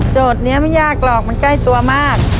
นี้ไม่ยากหรอกมันใกล้ตัวมาก